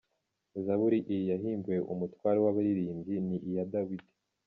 Zaburi iyi yahimbiwe umutware w’abaririmbyi Ni iya Dawidi.